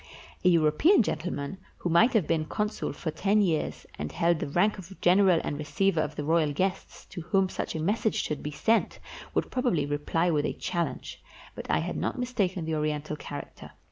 A European gentleman, who might have been consul for ten years, and held the rank of general and receiver of the royal guests, to whom such a message should be sent, would probably reply with a challenge; but I had not mistaken the Oriental character.